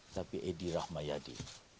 tapi edi rahmayadi